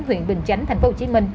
huyện bình chánh tp hcm